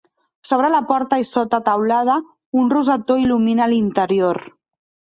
Sobre la porta i sota teulada un rosetó il·lumina l'interior.